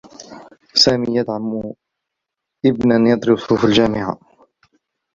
سامي يدعم إبنا يدرس في الجامعة.